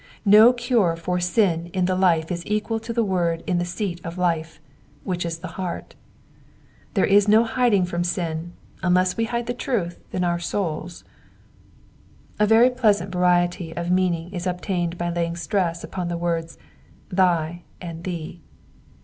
No cure for sin in the life is equal to the word in the seat of life, which is the heart. There is no hiding from sin unless we hide the truth in our souls. A very pleasant variety of meaning is obtained by laying stress upon the words thy" and *'thee."